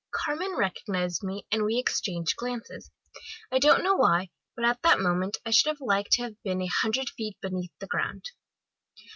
"Carmen recognised me, and we exchanged glances. I don't know why, but at that moment I should have liked to have been a hundred feet beneath the ground.